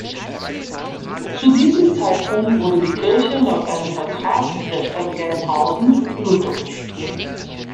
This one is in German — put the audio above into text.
Zu diesem Zeitpunkt wurde die Kirche laut einem Vertrag mit der Stadt Gelnhausen lutherisch.